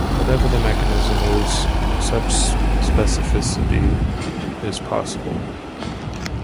Whatever the mechanism is, such specificity is possible.